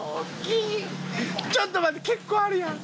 ちょっと待って結構あるやん。